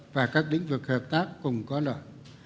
và các đỉnh vực hợp tác cùng có lợi